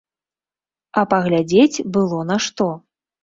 А паглядзець было на што.